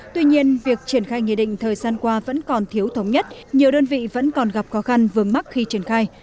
tuy nhiên việc triển khai nghị định thời gian qua vẫn còn thiếu thống nhất nhiều đơn vị vẫn còn gặp khó khăn vướng mắt khi triển khai